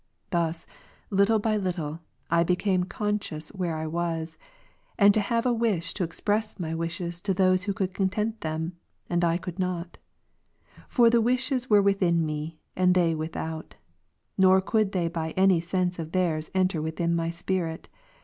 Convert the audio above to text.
Thus, little by little, I became conscious where I was ; and to have a wish to express my wishes to those who could content them, and I covild not ; for the wishes were within me, and they without ; nor could they by any sense of theirs enter within my spirit.